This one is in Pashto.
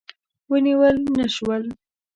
ونیول نه شول.